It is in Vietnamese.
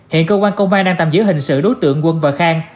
hiện cơ quan công an đang tạm giữ hình sự đối tượng quân và khang